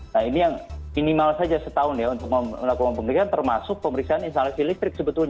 nah ini yang minimal saja setahun ya untuk melakukan pemeriksaan termasuk pemeriksaan instalasi listrik sebetulnya